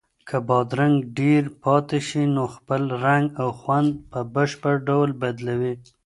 که بادرنګ ډېر پاتې شي نو خپل رنګ او خوند په بشپړ ډول بدلوي.